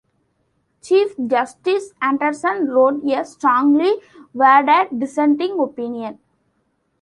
Chief Justice Anderson wrote a strongly worded dissenting opinion.